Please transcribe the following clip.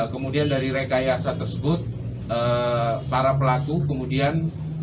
kemudian dari rekayasa tersebut para pelaku kemudian